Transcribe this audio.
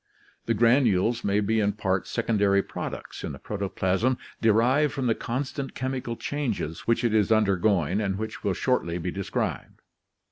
The granules may be in part secondary products in the protoplasm derived from the constant chemical changes which it is undergoing and which will shortly be described.